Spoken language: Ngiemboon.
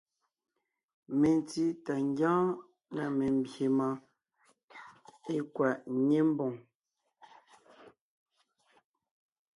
Mentí tà ńgyɔ́ɔn na membyè mɔɔn mie é kwaʼ ńnyé ḿboŋ.